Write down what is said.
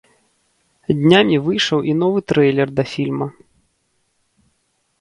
Днямі выйшаў і новы трэйлер да фільма.